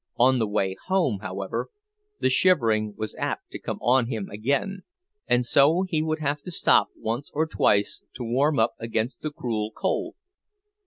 On the way home, however, the shivering was apt to come on him again; and so he would have to stop once or twice to warm up against the cruel cold.